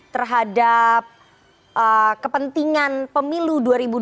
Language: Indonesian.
terhadap kepentingan pemilu dua ribu dua puluh